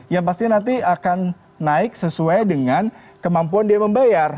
yang pasti nanti akan naik sesuai dengan kemampuan dia membayar